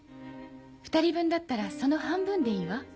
２人分だったらその半分でいいわ。